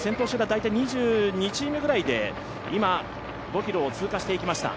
大体２２チームぐらいで５ｋｍを通過していきました。